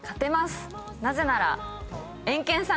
なぜなら。